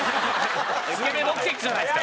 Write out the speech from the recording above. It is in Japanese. スケベ目的じゃないですか。